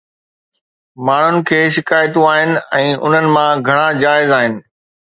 ماڻهن کي شڪايتون آهن ۽ انهن مان گهڻا جائز آهن.